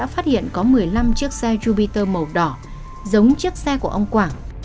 phát hiện có một mươi năm chiếc xe jupiter màu đỏ giống chiếc xe của ông quảng